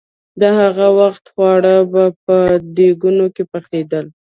د هغه وخت خواړه به په دېګونو کې پخېدل.